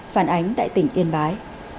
phản ánh tại tỉnh yên bái